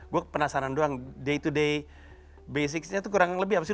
gue penasaran doang day to day basic nya itu kurang lebih apa sih